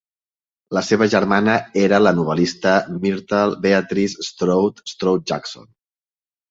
La seva germana era la novel·lista Myrtle Beatrice Strode Strode-Jackson.